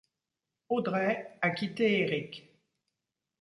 Audrey a quitté Eric.